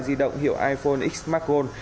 di động hiệu iphone x macron